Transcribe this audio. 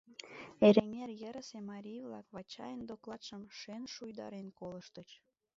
Эреҥер йырысе марий-влак Вачайын докладшым шӧн шуйдарен колыштыч.